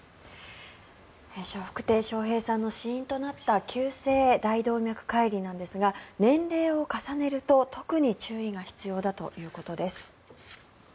笑福亭笑瓶さんの死因となった急性大動脈解離なんですが年齢を重ねると特に注意が必要だということです。